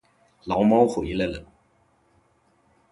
牢猫回来了